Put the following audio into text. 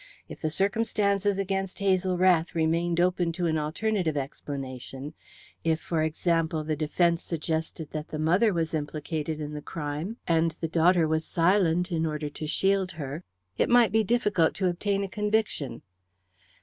If the circumstances against Hazel Rath remained open to an alternative explanation if, for example, the defence suggested that the mother was implicated in the crime and the daughter was silent in order to shield her, it might be difficult to obtain a conviction.